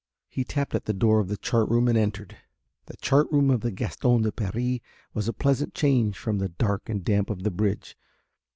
He tapped at the door of the chart room and entered. The chart room of the Gaston de Paris was a pleasant change from the dark and damp of the bridge.